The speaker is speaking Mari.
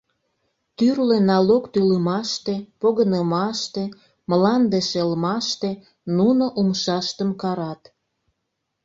Тӱрлӧ налог тӱлымаште, погынымаште, мланде шелмаште нуно умшаштым карат.